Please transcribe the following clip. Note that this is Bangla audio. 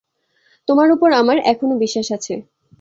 তোমার উপর আমার এখনও বিশ্বাস আছে।